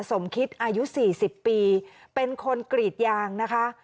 สมคิดอายุ๔๐ปีเป็นคนกรีดยางนะคะ